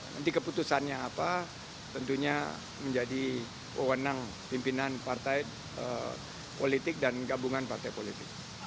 nanti keputusannya apa tentunya menjadi wawonang pimpinan partai politik dan gabungan partai politik